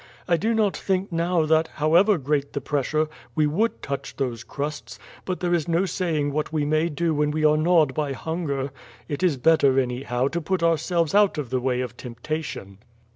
I do not think now that, however great the pressure, we would touch those crusts; but there is no saying what we may do when we are gnawed by hunger. It is better, anyhow, to put ourselves out of the way of temptation."